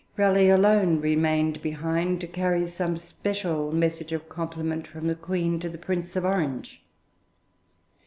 Raleigh alone remained behind, to carry some special message of compliment from the Queen to the Prince of Orange.